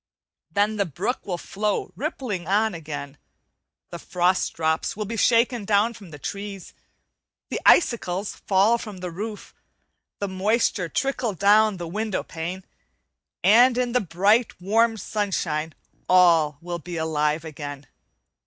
Then the brook will flow rippling on again; the frost drops will be shaken down from the trees, the icicles fall from the roof, the moisture trickle down the window pane, and in the bright, warm sunshine all will be alive again.